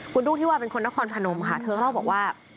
คุณรุ่งที่วาเป็นคนนครพนมค่ะเธอก็เล่าบอกว่า